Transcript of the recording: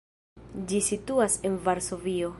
Ĝi situas en Varsovio.